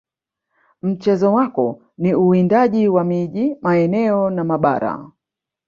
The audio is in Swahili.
Mchezo wako ni uwindaji wa miji maeneo na mabara